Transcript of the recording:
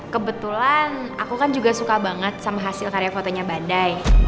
kebetulan aku kan juga suka banget sama hasil karya fotonya bandai